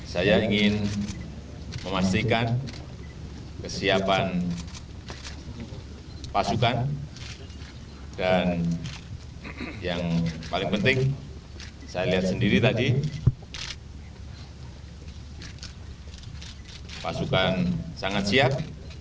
saya ingin memastikan kesiapan pasukan dan yang paling penting saya lihat sendiri tadi pasukan sangat siap